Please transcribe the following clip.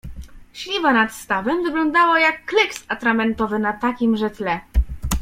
Śliwa nad stawem wyglądała jak kleks atramentowy na takimże tle.